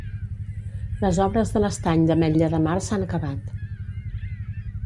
Les obres de l'Estany d'Ametlla de Mar s'han acabat.